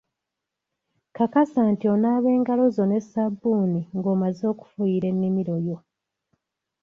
Kakasa nti onaaba engalo zo ne sabbuuni ng'omaze okufuuyira ennimiro yo.